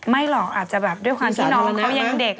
หรอกอาจจะแบบด้วยความที่น้องยังเด็ก